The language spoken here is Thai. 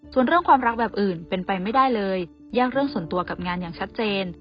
ส่วนเรื่องความรักแบบอื่นเป็นไปไม่ได้เลยแย่งเรื่องส่วนตัวกับงานอย่างชัดเจน